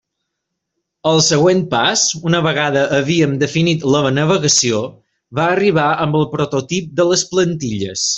El següent pas, una vegada havíem definit la navegació, va arribar amb el prototip de les plantilles.